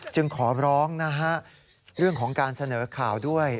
จึงขอร้องนะฮะเรื่องของการเสนอข่าวด้วย